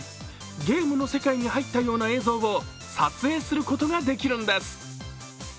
ゲームの世界に入ったような映像を撮影することができるんです。